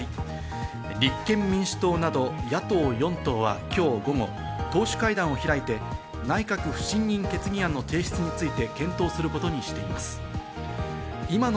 立憲民主党など野党４党は今日午後、党首会談を開いて内閣不信任決議案の提出について検討することにしています。